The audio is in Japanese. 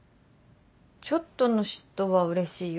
ちょっとの嫉妬はうれしいよ